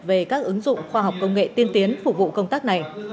về các ứng dụng khoa học công nghệ tiên tiến phục vụ công tác này